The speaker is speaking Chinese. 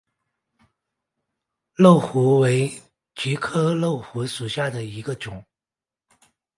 漏芦为菊科漏芦属下的一个种。